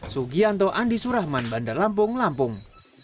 sugianto andi surahman bandar lampung lampung